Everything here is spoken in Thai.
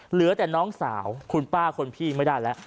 เหลือแต่น้องสาวคุณป้าคนพี่ไม่ได้แล้ว